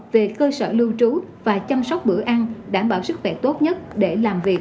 về cơ sở lưu trú và chăm sóc bữa ăn đảm bảo sức khỏe tốt nhất để làm việc